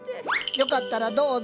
よかったらどうぞ。